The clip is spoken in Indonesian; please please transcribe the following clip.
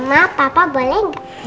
mama papa boleh gak